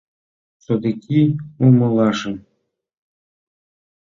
Содыки умылышым.